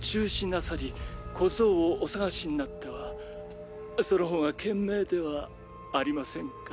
なさり小僧をお捜しになってはその方が賢明ではありませんか？